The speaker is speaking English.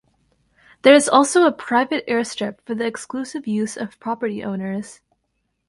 There is also a private airstrip for the exclusive use of property owners.